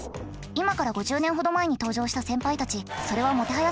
今から５０年ほど前に登場した先輩たちそれはもてはやされたそうです。